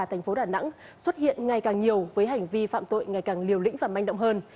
thành phố đà nẵng xuất hiện ngày càng nhiều với hành vi phạm tội ngày càng liều lĩnh và manh động hơn